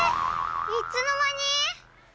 いつのまに？